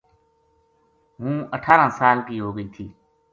ہوں اٹھارہ سال کی ہو گئی تھی